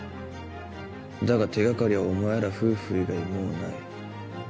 だが手がかりはお前ら夫婦以外もうない。